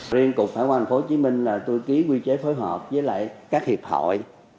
riêng cục hải quan tp hcm là tôi ký quy chế phối hợp với các hiệp hội